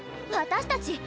私たち